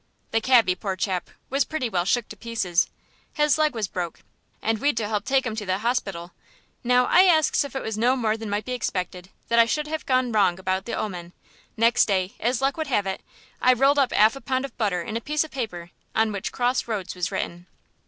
The cabby, poor chap, was pretty well shook to pieces; his leg was broke, and we'd to 'elp to take him to the hosspital. Now I asks if it was no more than might be expected that I should have gone wrong about the omen. Next day, as luck would have it, I rolled up 'alf a pound of butter in a piece of paper on which 'Cross Roads' was written."